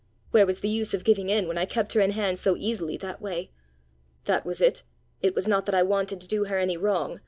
Where was the use of giving in, when I kept her in hand so easily that way? That was it! It was not that I wanted to do her any wrong.